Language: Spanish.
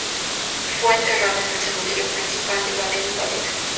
Fue enterrada en el Cementerio principal de Baden-Baden.